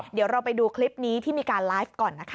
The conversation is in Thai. เดี๋ยวเราไปดูคลิปนี้ที่มีการไลฟ์ก่อนนะคะ